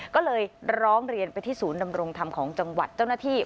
ก็เลยร้องเรียนไปที่ศูนย์ดำรงธรรมของจังหวัดเจ้าหน้าที่